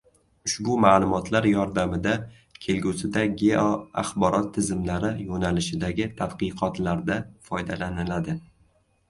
Ushbu maʼlumotlar yordamida kelgusida geoaxborot tizimlari yoʼnalishidagi tadqiqotlarda foydalaniladi.